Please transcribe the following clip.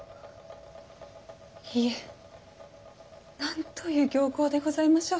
いえなんという僥倖でございましょう。